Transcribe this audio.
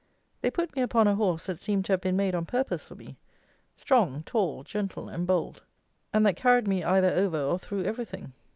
They put me upon a horse that seemed to have been made on purpose for me, strong, tall, gentle and bold; and that carried me either over or through everything.